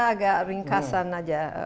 agak ringkasan aja